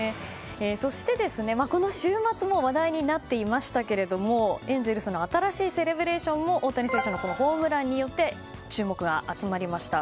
そして、この週末も話題になっていましたけれどもエンゼルスの新しいセレブレーションも大谷選手のホームランによって注目が集まりました。